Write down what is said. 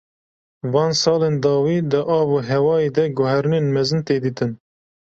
Van salên dawî di avûhewayê de guherînên mezin tê dîtin.